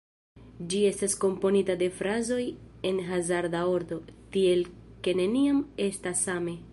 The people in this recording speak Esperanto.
Ĝi estas komponita de frazoj en hazarda ordo, tiel ke neniam estas same.